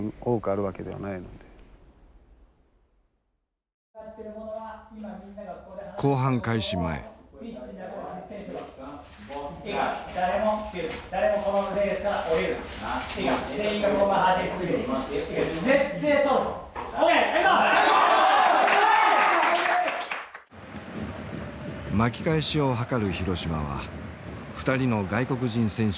巻き返しを図る広島は２人の外国人選手を投入する。